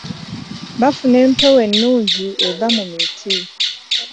Bafuna empewo ennungi eva mu miti.